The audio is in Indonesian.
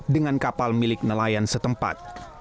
dengan kapal milik nelayan setempat